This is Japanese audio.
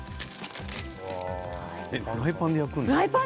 フライパンで焼くの？